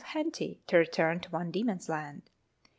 Henty to return to Van Diemen's Land.